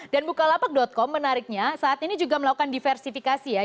dan bukalapak com menariknya saat ini juga melakukan diversifikasi ya